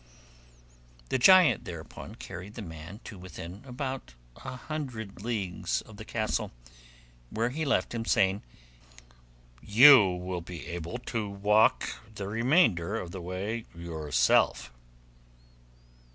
The giant, thereupon, carried the man to within about a hundred leagues of the castle, where he left him, saying, 'You will be able to walk the remainder of the way yourself.